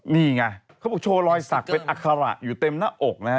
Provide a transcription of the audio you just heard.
นี่ไงเขาบอกโชว์รอยสักเป็นอัคระอยู่เต็มหน้าอกนะฮะ